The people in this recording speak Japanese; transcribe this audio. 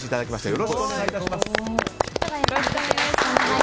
よろしくお願いします。